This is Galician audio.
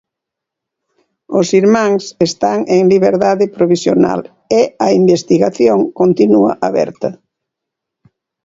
Os irmáns están en liberdade provisional e a investigación continúa aberta.